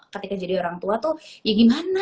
ketika jadi orang tua tuh ya gimana